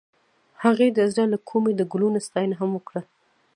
هغې د زړه له کومې د ګلونه ستاینه هم وکړه.